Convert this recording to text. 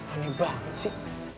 aneh banget sih